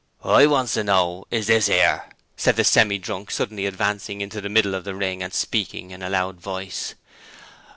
'Wot I wants to know is this 'ere,' said the Semi drunk, suddenly advancing into the middle of the ring and speaking in a loud voice.